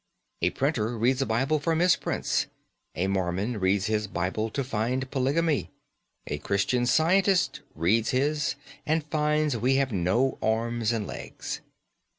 A printer reads a Bible for misprints. A Mormon reads his Bible, and finds polygamy; a Christian Scientist reads his, and finds we have no arms and legs.